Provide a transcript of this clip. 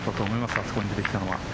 あそこに出てきたのは。